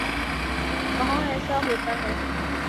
وہاں ایسا ہوتا ہے۔